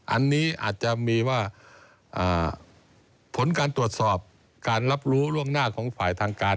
อันนี้อาจจะมีว่าผลการตรวจสอบการรับรู้ล่วงหน้าของฝ่ายทางการ